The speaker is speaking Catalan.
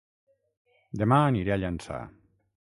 Dema aniré a Llançà